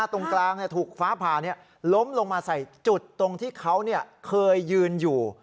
ตรงกลางถูกฟ้าผ่าล้มลงมาใส่จุดตรงที่เขาเคยยืนอยู่